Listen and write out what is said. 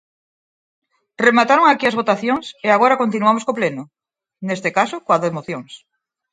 Remataron aquí as votacións e agora continuamos co Pleno, neste caso coa de mocións.